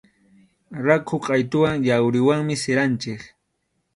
Rakhu qʼaytuwanqa yawriwanmi siranchik.